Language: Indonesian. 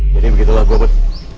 jadi begitulah gue put